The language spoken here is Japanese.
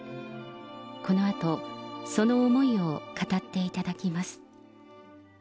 このあと、その思いを語っていただきます。